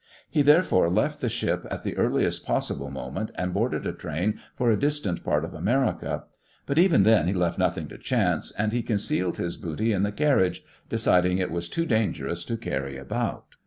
He, therefore, left the ship at the earliest possible moment, and boarded a train for a distant part of America. But even then he left nothing to chance, and he concealed his booty in the carriage, deciding it was too dangerous to carry about.